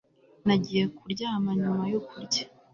nagiye kuryama nyuma yo kurya